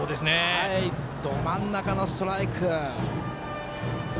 ど真ん中のストライク。